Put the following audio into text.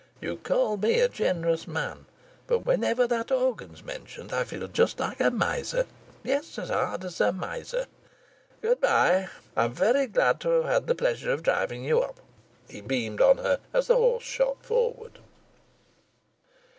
"You call me a generous man, but whenever that organ's mentioned I feel just like a miser yes, as hard as a miser. Good bye! I'm very glad to have had the pleasure of driving you up." He beamed on her as the horse shot forward.